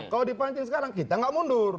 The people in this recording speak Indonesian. kalau dipancing sekarang kita nggak mundur